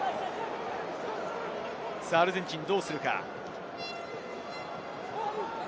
アルゼンチンはどうするか。